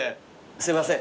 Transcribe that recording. すいません。